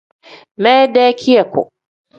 Minde kiyaku.